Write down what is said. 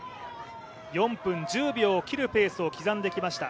４分１０秒を切るペースを刻んできました。